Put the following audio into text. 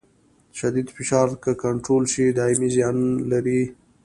شدید فشار که کنټرول شي دایمي زیان نه لري.